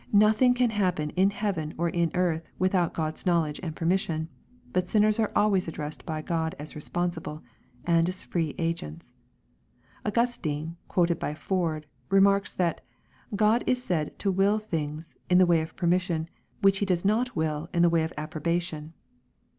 Nothing can happen, in heaven or in earth, without G od's knowl edge and permission. But sinners are always addressed by God as responsible, and as free agents. Augustine, quoted by Ford, remarks, that " God is said to will things, in the way of permission, which he does not will in the way of approbation."